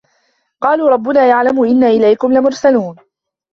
قالوا رَبُّنا يَعلَمُ إِنّا إِلَيكُم لَمُرسَلونَ